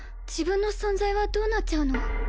自分の存在はどうなっちゃうの？